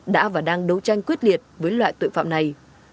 đã và đang đấu tranh quyết liệt với loại tội phạm này